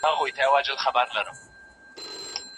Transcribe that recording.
دوی د مشاهدې او انتقاد بنسټ کیښود.